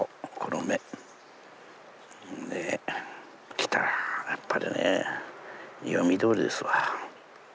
来たやっぱりね。読みどおりですわ。